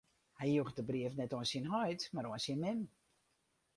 Hy joech dy brief net oan syn heit, mar oan syn mem.